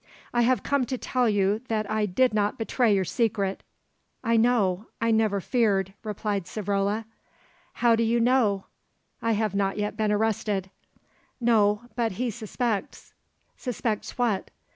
"I have come to tell you that I did not betray your secret." "I know, I never feared," replied Savrola. "How do you know?" "I have not yet been arrested." "No, but he suspects." "Suspects what?"